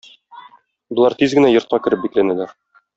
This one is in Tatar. Болар тиз генә йортка кереп бикләнәләр.